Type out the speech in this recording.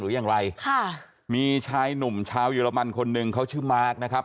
อย่างไรค่ะมีชายหนุ่มชาวเยอรมันคนหนึ่งเขาชื่อมาร์คนะครับ